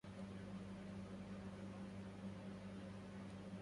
كم دم فيك أيها الريم طلا